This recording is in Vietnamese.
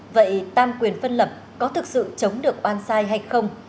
vậy tam quyền phân lập có thực sự chống được oan sai hay không